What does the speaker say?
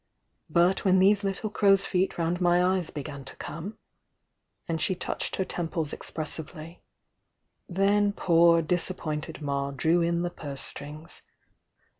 But when these little crowsfeet round my eyes began to come"— and she touched her temples expressively— "then poor, disappointed Ma drew in the purse strings.